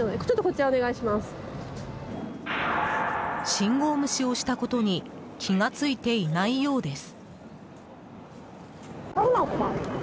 信号無視をしたことに気がついていないようです。